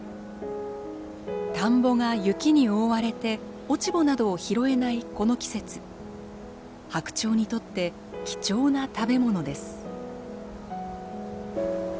田んぼが雪に覆われて落ち穂などを拾えないこの季節ハクチョウにとって貴重な食べ物です。